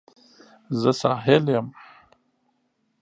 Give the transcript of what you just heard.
زه ساحل یم